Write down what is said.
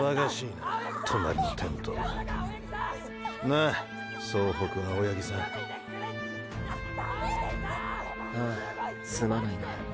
ああすまないな。